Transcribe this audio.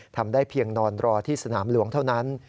ทำได้เพียงนอนรอที่สนามหลวงเท่านั้น